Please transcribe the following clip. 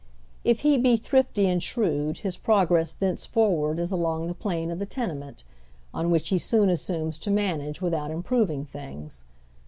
If he be thrifty and shrewd his progress thenceforward ifcalong the plane of the tenement, on which he soon assumes to manage without improving things.